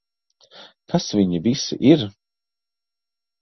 Kas viņi visi ir?